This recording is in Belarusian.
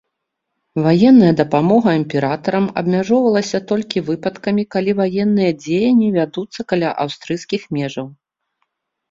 Ваенная дапамога імператарам абмяжоўвалася толькі выпадкамі, калі ваенныя дзеянні вядуцца каля аўстрыйскіх межаў.